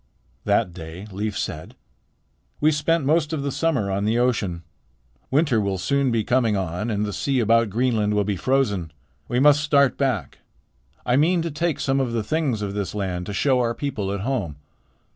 That day Leif said: "We spent most of the summer on the ocean. Winter will soon be coming on and the sea about Greenland will be frozen. We must start back. I mean to take some of the things of this land to show to our people at home.